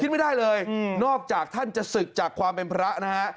ไม่ได้เลยนอกจากท่านจะศึกจากความเป็นพระนะฮะ